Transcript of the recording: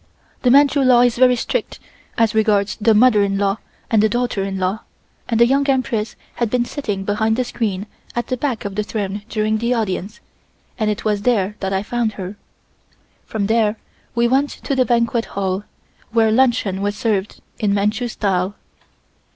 The Manchu law is very strict as regards the mother in law and the daughter in law, and the Young Empress had been sitting behind the screen at the back of the throne during the audience, and it was there that I found her. From there we went to the banquet hall, where luncheon was served in Manchu style.